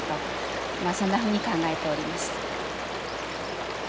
まあそんなふうに考えております。